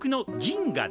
銀河。